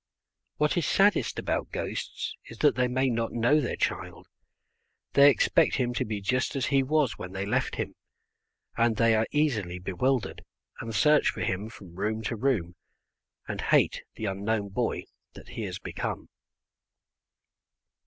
What is saddest about ghosts is that they may not know their child. They expect him to be just as he was when they left him, and they are easily bewildered, and search for him from room to room, and hate the unknown boy he has become.